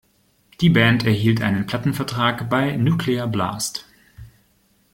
Die Band erhielt einen Plattenvertrag bei Nuclear Blast.